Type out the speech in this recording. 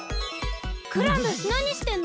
クラムなにしてんの？